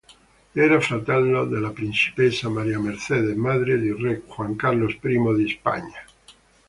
Era fratello della principessa Maria Mercedes madre di re Juan Carlos I di Spagna.